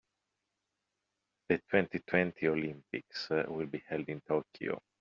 The twenty-twenty Olympics will be held in Tokyo.